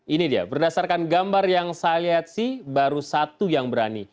ini dia berdasarkan gambar yang saya lihat sih baru satu yang berani